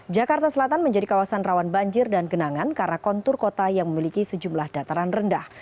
jakarta selatan menjadi kawasan rawan banjir dan genangan karena kontur kota yang memiliki sejumlah dataran rendah